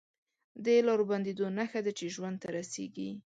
د لارو بندېدو نښه ده چې ژوند ته رسېږي